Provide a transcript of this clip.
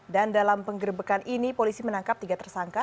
dan dalam penggerbekan ini polisi menangkap tiga tersangka